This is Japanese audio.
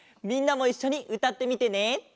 みんなもいっしょにうたってみてね。